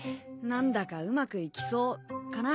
何だかうまくいきそうかな？